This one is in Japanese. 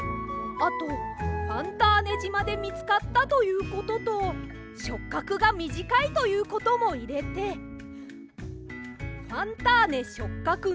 あとファンターネじまでみつかったということとしょっかくがみじかいということもいれて「ファンターネしょっかく